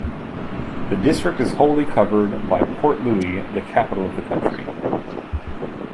The district is wholly covered by Port Louis, the capital of the country.